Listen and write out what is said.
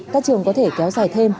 các trường có thể kéo dài thêm